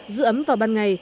giữ ấm vào ban ngày